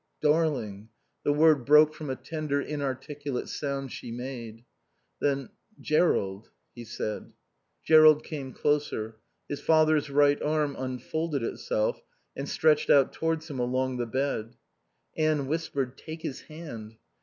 "Darling " the word broke from a tender inarticulate sound she made. Then: "Jerrold ," he said. Jerrold came closer. His father's right arm unfolded itself and stretched out towards him along the bed. Anne whispered, "Take his hand."